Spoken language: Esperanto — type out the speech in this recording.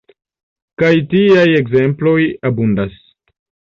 Kaj tiaj ekzemploj abundas.